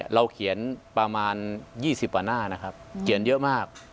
เราเขียนประมาณ๒๐กว่าหน้านะครับเขียนเยอะมาก